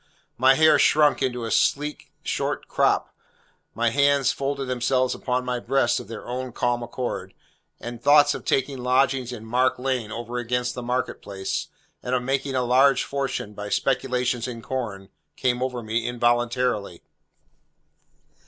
My hair shrunk into a sleek short crop, my hands folded themselves upon my breast of their own calm accord, and thoughts of taking lodgings in Mark Lane over against the Market Place, and of making a large fortune by speculations in corn, came over me involuntarily.